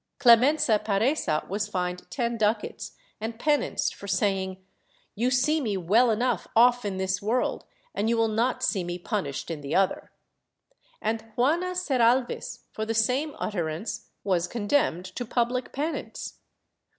Clemensa Paresa was fined ten ducats and penanced for saying "You see me well enough off in this w^orld and you will not see me punished in the other," and Juana Seralvis, for the same utterance was condemned to public penance.